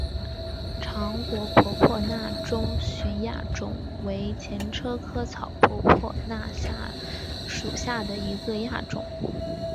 长果婆婆纳中甸亚种为车前草科婆婆纳属下的一个亚种。